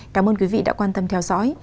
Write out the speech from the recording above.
cảm ơn quý vị đã quan tâm theo dõi